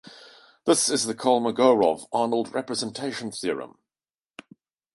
This is the Kolmogorov-Arnold representation theorem.